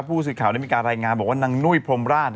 ผู้สือข่าวน้ำมิกาแรงงานบอกว่าน้ำหน่วยพรมราช